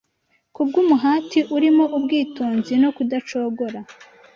Kubw’umuhati urimo ubwitonzi no kudacogora